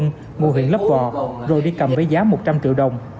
ngụ huyện lấp vò rồi đi cầm với giá một trăm linh triệu đồng